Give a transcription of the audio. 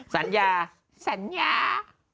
สัญญาสัญญา